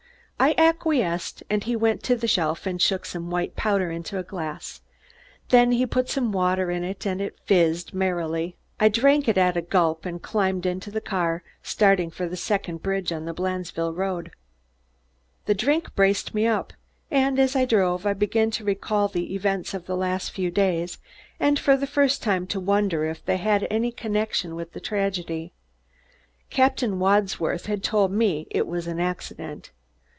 I acquiesced, and he went to the shelf and shook some white powder into a glass. Then he put some water with it and it phizzed merrily. I drank it at a gulp and, climbing into the car, started for the second bridge on the Blandesville Road. The drink braced me up and as I drove I began to recall the events of the last few days, and for the first time to wonder if they had any connection with the tragedy. Captain Wadsworth had told me it was an accident.